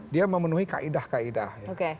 dia memenuhi kaedah kaedah